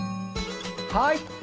はい！